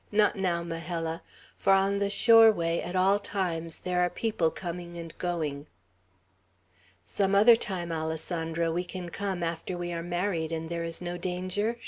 "Not now, Majella; for on the shore way, at all times, there are people going and coming." "Some other time, Alessandro, we can come, after we are married, and there is no danger?"